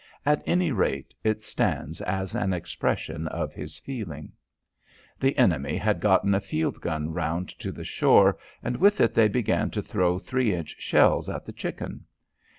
At any rate, it stands as an expression of his feeling. The enemy had gotten a field gun down to the shore and with it they began to throw three inch shells at the Chicken.